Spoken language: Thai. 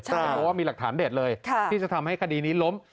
เพราะว่ามีหลักฐานเด็ดเลยที่จะทำให้คดีนี้ล้ม